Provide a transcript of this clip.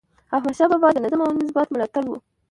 احمدشاه بابا د نظم او انضباط ملاتړی و.